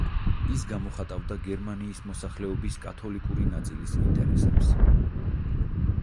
ის გამოხატავდა გერმანიის მოსახლეობის კათოლიკური ნაწილის ინტერესებს.